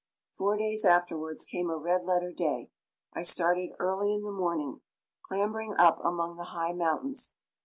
Four days afterwards came a red letter day. I started early in the morning, clambering up among the high mountains.